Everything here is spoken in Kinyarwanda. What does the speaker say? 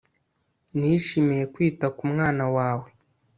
Nishimiye kwita ku mwana wawe